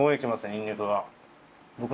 ニンニクが。